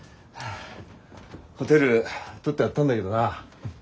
ホテル取ってあったんだげどな。